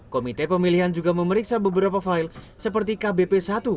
komite pemilihan juga memeriksa beberapa file seperti kbp satu